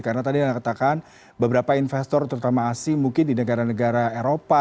karena tadi anda katakan beberapa investor terutama asing mungkin di negara negara eropa